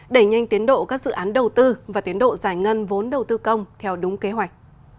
đẩy nhanh tiến độ các dự án đầu tư và tiến độ giải ngân vốn đầu tư công theo đúng kế hoạch